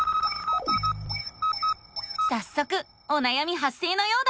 さっそくおなやみ発生のようだ。